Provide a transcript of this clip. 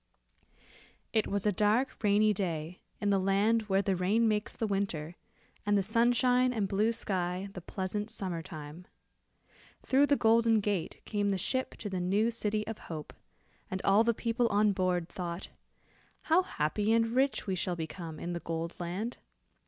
It was a dark rainy day in the land where the rain makes the winter, and the sunshine and blue sky the pleasant summer time. Through the Golden Gate, came the ship to the new city of hope, and all the people on board thought, "how happy and rich we shall become in the Gold Land.